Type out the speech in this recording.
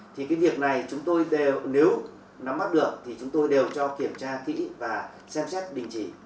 thì cái việc này chúng tôi nếu nắm mắt được thì chúng tôi đều cho kiểm tra kỹ và xem xét đình chỉ